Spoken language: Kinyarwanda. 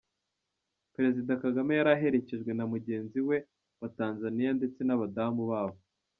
Perezida Kagame yari aherekejwe na mugenzi we wa Tanzania ndetse n’Abadamu babo.